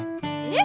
え？